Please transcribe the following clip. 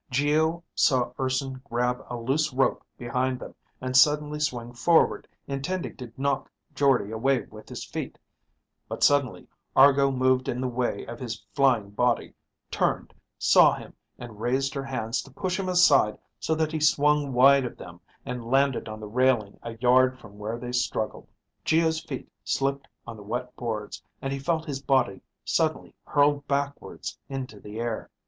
Geo saw Urson grab a loose rope behind them and suddenly swing forward, intending to knock Jordde away with his feet. But suddenly Argo moved in the way of his flying body, turned, saw him, and raised her hands to push him aside so that he swung wide of them and landed on the railing a yard from where they struggled. Geo's feet slipped on the wet boards, and he felt his body suddenly hurled backwards onto the air.